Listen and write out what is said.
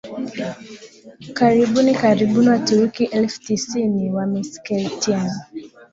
karibuni karibu Waturuki elfu tisini wa Meskhetian